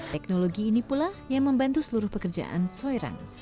teknologi ini pula yang membantu seluruh pekerjaan soiran